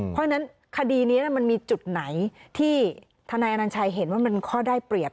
เพราะฉะนั้นคดีนี้มันมีจุดไหนที่ทนายอนัญชัยเห็นว่ามันข้อได้เปรียบ